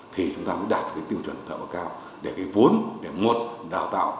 thì chúng ta mới đạt được tiêu chuẩn tài bậc cao để cái vốn để muộn đào tạo